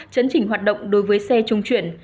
chấn chỉnh hoạt động đối với xe chung chuyển